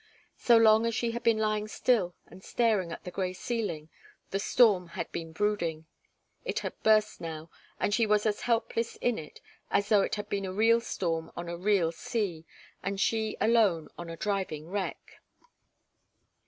So long as she had been lying still and staring at the grey ceiling, the storm had been brooding. It had burst now, and she was as helpless in it as though it had been a real storm on a real sea, and she alone on a driving wreck.